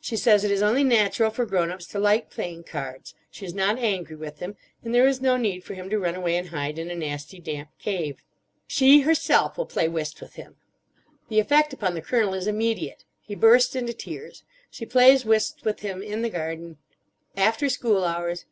She says it is only natural for grown ups to like playing cards. She is not angry with him. And there is no need for him to run away and hide in a nasty damp cave. "She herself will play whist with him." The effect upon the Colonel is immediate: he bursts into tears. She plays whist with him in the garden: "After school hours.